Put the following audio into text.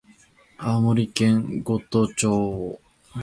青森県五戸町